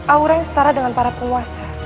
aura yang setara dengan para penguasa